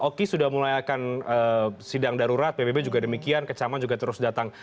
oki sudah mulai akan sidang darurat pbb juga demikian kecaman juga terus datang